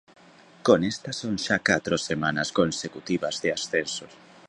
Con esta son xa catro semanas consecutivas de ascensos.